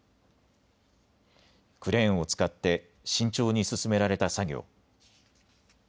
クレーンを使って慎重に進められた作業。